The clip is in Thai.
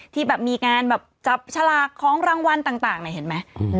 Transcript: ที่แบบมีงานแบบจับฉลากของรางวัลต่างเนี่ยเห็นไหม